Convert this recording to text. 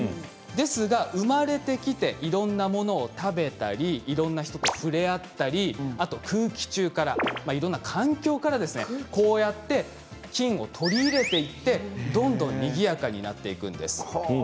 ですが生まれてきていろんなものを食べたりいろんな人と触れ合ったり空気中から、いろんな環境からこうやって菌を取り入れていってどんどんにぎやかになっていくんです。